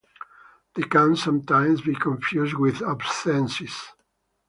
They can sometimes be confused with abscesses.